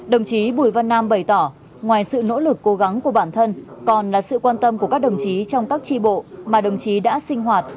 đồng chí bùi văn nam bày tỏ ngoài sự nỗ lực cố gắng của bản thân còn là sự quan tâm của các đồng chí trong các tri bộ mà đồng chí đã sinh hoạt